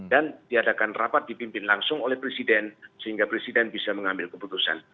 dan diadakan rapat dipimpin langsung oleh presiden sehingga presiden bisa mengambil keputusan